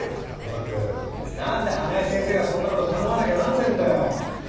なんで花井先生がそんな事頼まなきゃなんねえんだよ。